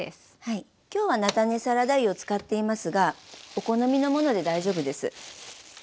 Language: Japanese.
きょうは菜種サラダ油を使っていますがお好みのもので大丈夫です。